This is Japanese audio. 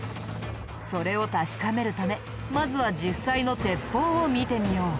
それを確かめるためまずは実際の鉄砲を見てみよう。